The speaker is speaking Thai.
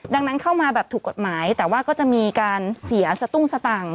ดังนั้นเข้ามาแบบถูกกฎหมายแต่ว่าก็จะมีการเสียสตุ้งสตังค์